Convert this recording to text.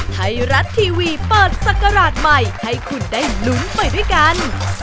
ไทยรัฐทีวีเปิดศักราชใหม่ให้คุณได้ลุ้นไปด้วยกัน